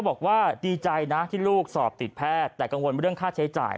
บอกว่าดีใจนะที่ลูกสอบติดแพทย์แต่กังวลเรื่องค่าใช้จ่าย